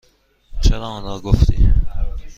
چرا آنرا گفتی؟